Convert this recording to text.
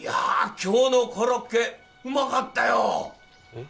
今日のコロッケうまかったよえッ？